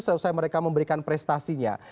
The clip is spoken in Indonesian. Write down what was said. selesai mereka memberikan prestasinya